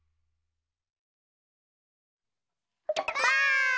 ばあっ！